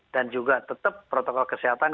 dan juga tetap protokol kesehatan